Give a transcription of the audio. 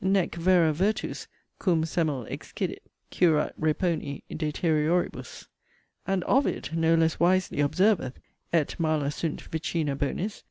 'Nec vera virtus, cum semel excidit, Curat reponi deterioribus.' And 'Ovid' no less wisely observeth: 'Et mala sunt vicina bonis.